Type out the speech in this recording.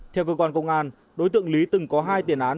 theo cơ quan công an đối tượng lý từng có hai tiền án